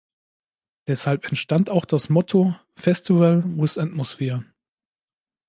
Deshalb entstand auch das Motto „Festival With Atmosphere“.